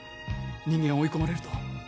人間追い込まれると